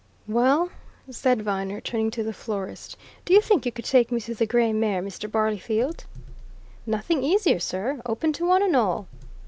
"Well," said Viner, turning to the florist, "do you think you could take me to the Grey Mare, Mr. Barleyfield?" "Nothing easier, sir open to one and all!"